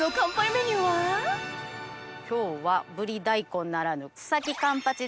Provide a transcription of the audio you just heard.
今日はブリ大根ならぬ。